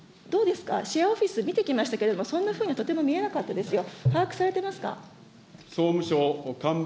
どうですか、シェアオフィスきてきましたけれども、そんなふうにはとても見えなかったですよ。